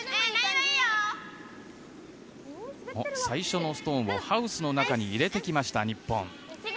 最初のストーンをハウスの中に入れてきました日本。